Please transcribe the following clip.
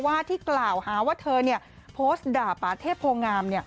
ว่าที่กล่าวหาว่าเธอโพสต์ด่าป่าเทพโพงาม